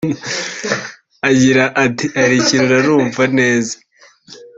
Agira ati “Hari ikintu ntarumva neza